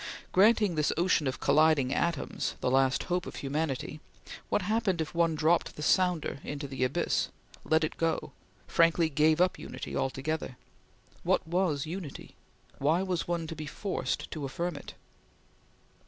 Granting this ocean of colliding atoms, the last hope of humanity, what happened if one dropped the sounder into the abyss let it go frankly gave up Unity altogether? What was Unity? Why was one to be forced to affirm it?